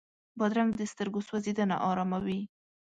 بادرنګ د سترګو سوځېدنه اراموي.